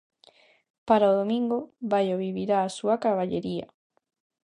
Para o domingo, Baio vivirá a súa carballeira.